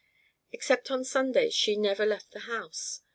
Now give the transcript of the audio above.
Except on Sundays she never left the house.